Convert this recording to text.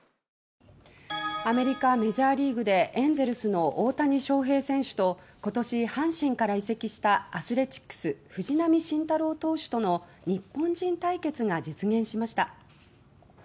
アメリカ・メジャーリーグでエンゼルスの大谷翔平選手と今年阪神から移籍したアスレチックス藤浪晋太郎投手との日本人対決が実現しました。